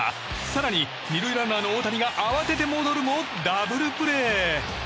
更に、２塁ランナーの大谷が慌てて戻るもダブルプレー。